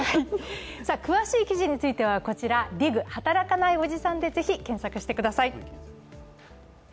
詳しい記事についてはこちらＤＩＧ「働かないおじさん」でぜひ検索してください。